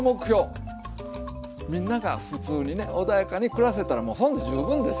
みんながふつうにね穏やかに暮らせたらもうそれで十分ですよ！